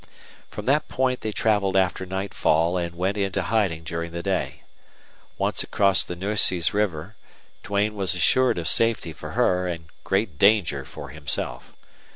From that point they traveled after nightfall and went into hiding during the day. Once across the Nueces River, Duane was assured of safety for her and great danger for himself.